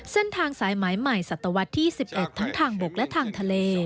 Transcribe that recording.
เส้นทางสายหมายใหม่สัตวรรษที่๑๑ทั้งทางบกและทางทะเล